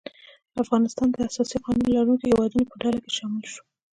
افغانستان د اساسي قانون لرونکو هیوادو په ډله کې شامل شو.